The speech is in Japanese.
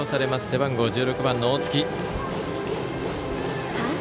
背番号１６番の大槻。